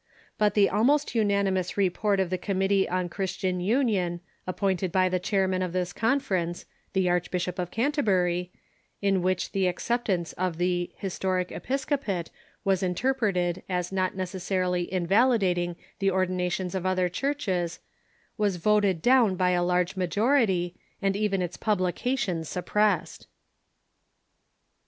But the almost unanimous report of the Committee on Christian Union appointed by the chairman of this Conference, the Archbishop of Canterbur} , in which the acceptance of the " historic episcopate " was interpreted as not necessarily invalidating the ordinations of other churches, was voted down by a large majority, and even its publication suppressed.